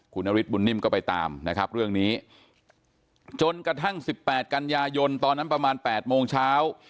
คุณนฤทธบุญนิ่มก็ไปตามนะครับเรื่องนี้จนกระทั่ง๑๘กันยายนตอนนั้นประมาณ๘โมงเช้า